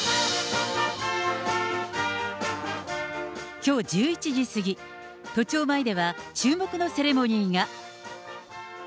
きょう１１時過ぎ、都庁前では注目のセレモニーが。